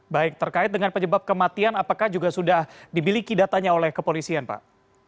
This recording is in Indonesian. baik terkait dengan penyebab kematian apakah juga sudah dibiliki datanya oleh kepolisian pak